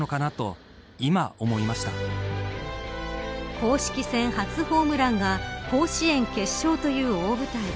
公式戦初ホームランが甲子園決勝という大舞台。